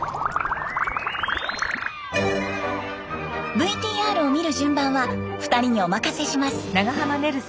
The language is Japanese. ＶＴＲを見る順番は２人にお任せします。